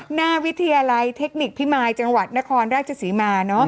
หน้าวิทยาลัยเทคนิคพิมายจังหวัดนครราชศรีมา